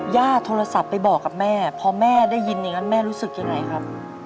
โทรศัพท์ไปบอกกับแม่พอแม่ได้ยินอย่างนั้นแม่รู้สึกยังไงครับ